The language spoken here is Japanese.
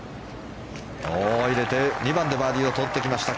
入れて、２番でバーディーを取ってきました。